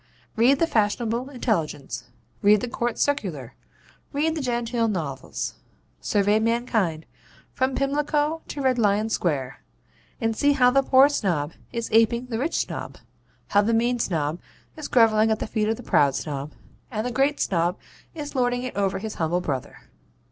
Read the fashionable intelligence; read the COURT CIRCULAR; read the genteel novels; survey mankind, from Pimlico to Red Lion Square, and see how the Poor Snob is aping the Rich Snob; how the Mean Snob is grovelling at the feet of the Proud Snob; and the Great Snob is lording it over his humble brother.